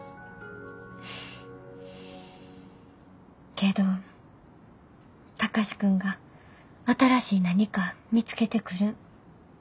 けど貴司君が新しい何か見つけてくるん楽しみや。